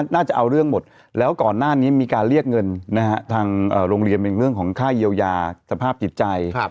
จะเอาเรื่องหมดแล้วก่อนหน้านี้มีการเรียกเงินนะฮะทางโรงเรียนเป็นเรื่องของค่าเยียวยาสภาพจิตใจ